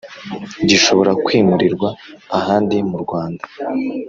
Gishobora kwimurirwa ahandi mu Rwanda